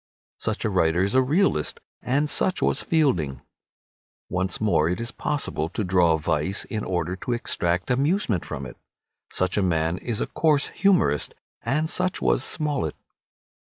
Such a writer is a realist, and such was Fielding. Once more, it is possible to draw vice in order to extract amusement from it. Such a man is a coarse humorist, and such was Smollett.